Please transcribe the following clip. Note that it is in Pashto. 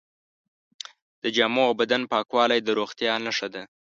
د جامو او بدن پاکوالی د روغتیا نښه ده.